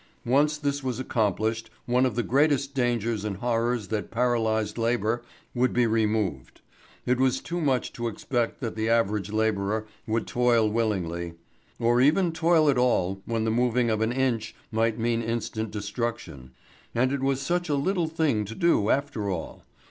Once this was accomplished, one of the greatest dangers and horrors that paralysed labour would be removed. It was too much to expect that the average labourer would toil willingly, or even toil at all when the moving of an inch might mean instant destruction. And it was such a little thing to do after all.